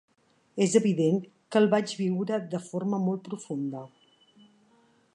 És evident que el vaig viure de forma molt profunda.